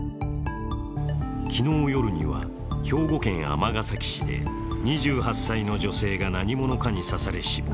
昨日夜には、兵庫県尼崎市で２８歳の女性が何者かに刺され死亡。